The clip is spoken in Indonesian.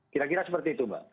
kira kira seperti itu mbak